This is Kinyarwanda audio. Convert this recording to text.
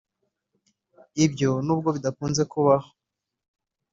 Ibyo n’ubwo bidakunze kubaho